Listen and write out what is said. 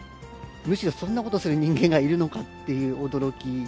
むしろそんなことする人間がいるのかっていう驚き。